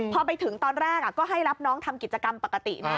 พอไปถึงตอนแรกก็ให้รับน้องทำกิจกรรมปกตินะ